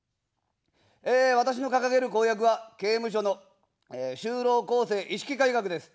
私の掲げる公約は、刑務所の就労更生意識改革です。